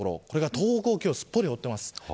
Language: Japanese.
東北をすっぽり覆ってます。